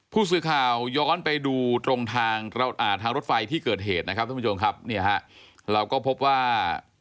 ผู้ซื้อข่าย้อนไปดูทรงทางรถไฟที่เกิดเหตุเราพบว่า